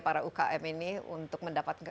para umkm ini untuk mendapat